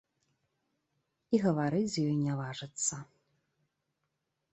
І гаварыць з ёй не важыцца.